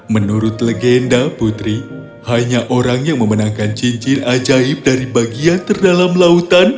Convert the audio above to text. menurut legenda putri hanya orang yang memenangkan cincin ajaib dari bagian terdalam lautan